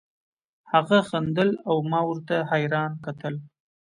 هغه خندل او ما ورته حيران کتل.